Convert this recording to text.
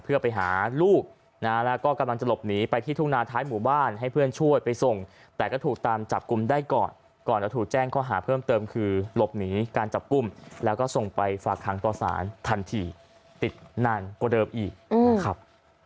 ไปที่ทุ่งนาท้ายหมู่บ้านให้เพื่อนช่วยไปส่งแต่ก็ถูกตามจับกุมได้ก่อนก่อนจะถูกแจ้งข้อหาเพิ่มเติมคือหลบหนีการจับกุมแล้วก็ส่งไปฝากคังต่อสารทันทีติดนานกว่าเดิมอีกอืมครับ